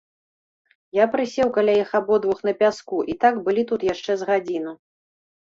Я прысеў каля іх абодвух на пяску, і так былі тут яшчэ з гадзіну.